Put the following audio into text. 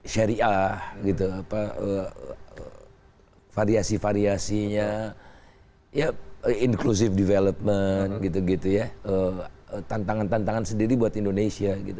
syariah gitu apa variasi variasinya ya inclusive development gitu gitu ya tantangan tantangan sendiri buat indonesia gitu